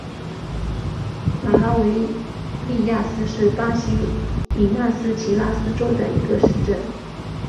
马拉维利亚斯是巴西米纳斯吉拉斯州的一个市镇。